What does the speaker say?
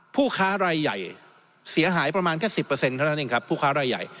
ผู้ค้ารายใหญ่เสียหายประมาณแค่๑๐เท่านั้นเองครับผู้ค้ารายใหญ่